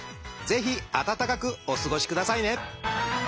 ぜひ温かくお過ごしくださいね！